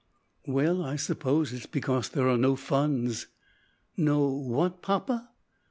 "Well, I suppose, it is because there are no funds." "No what? papa."